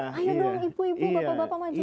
ayo dong ibu ibu bapak bapak maju